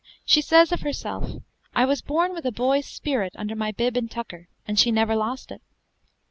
She says of herself, "I was born with a boy's spirit under my bib and tucker," and she never lost it.